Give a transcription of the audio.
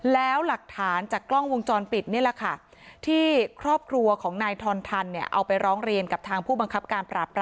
แล้วหลักฐานจากกล้องวงจรปิดนี่แหละค่ะที่ครอบครัวของนายทอนทันเนี่ยเอาไปร้องเรียนกับทางผู้บังคับการปราบราม